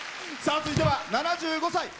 さあ続いては７５歳。